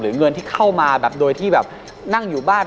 หรือเงินที่เข้ามาโดยที่นั่งอยู่บ้าน